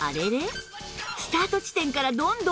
スタート地点からどんどん前へ